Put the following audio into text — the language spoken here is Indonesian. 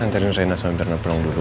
anterin reina sama pernoprong dulu